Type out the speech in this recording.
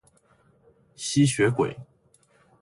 吸血鬼